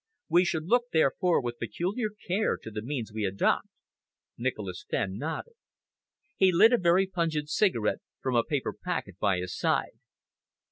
We should look, therefore, with peculiar care to the means we adopt." Nicholas Fenn nodded. He lit a very pungent cigarette from a paper packet by his side.